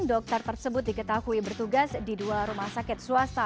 dokter tersebut diketahui bertugas di dua rumah sakit swasta